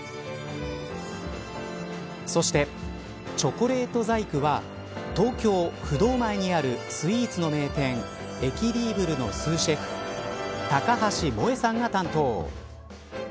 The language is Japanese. そして、チョコレート細工は東京、不動前にあるスイーツの名店ｅｑｕｉｌｉｂｒｅのスーシェフ高橋萌さんが担当。